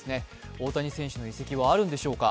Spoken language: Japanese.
大谷選手の移籍はあるんでしょうか。